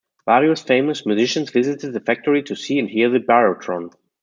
Various famous musicians visited the factory to see and hear the Birotron.